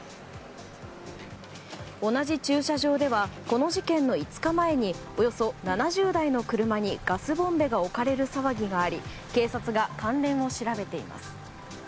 同じ駐車場ではこの事件の５日前におよそ７０台の車にガスボンベが置かれる騒ぎがあり警察が関連を調べています。